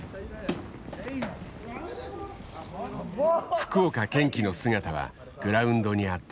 福岡堅樹の姿はグラウンドにあった。